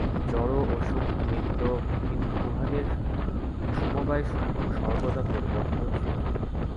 জড় ও শক্তি নিত্য, কিন্তু উহাদের সমবায়সমূহ সর্বদা পরিবর্তনশীল।